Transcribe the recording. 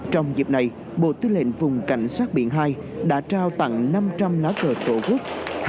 trong dịp này bộ tư lệnh vùng cảnh sát biển hai đã trao tặng năm trăm linh lá cờ tổ quốc